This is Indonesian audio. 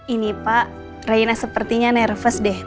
ini pak raina sepertinya nervous deh